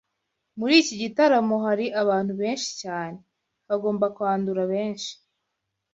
Muri iki gitaramo hari abantu benshi cyan hagomba kwandura benshi.